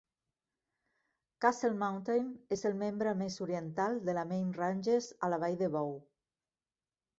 Castle Mountain és el membre més oriental de la Main Ranges a la vall de Bow.